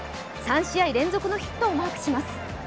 ３試合連続のヒットをマークします